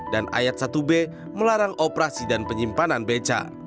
dan ayat satu b melarang operasi dan penyimpanan becak